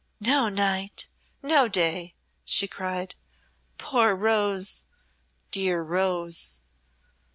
"No night, no day!" she cried. "Poor rose! dear rose!"